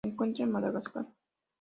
Se encuentra en Madagascar.